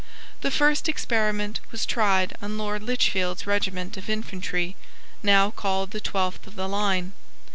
The first experiment was tried on Lord Lichfield's regiment of infantry, now called the Twelfth of the Line.